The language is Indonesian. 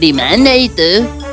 di mana itu